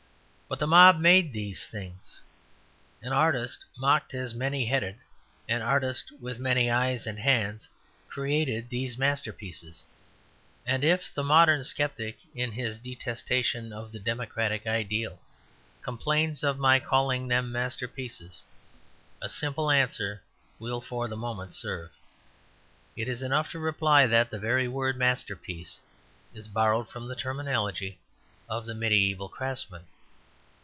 But the mob made these things. An artist mocked as many headed, an artist with many eyes and hands, created these masterpieces. And if the modern sceptic, in his detestation of the democratic ideal, complains of my calling them masterpieces, a simple answer will for the moment serve. It is enough to reply that the very word "masterpiece" is borrowed from the terminology of the mediæval craftsmen.